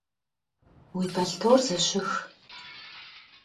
Vui belhtor zışıx.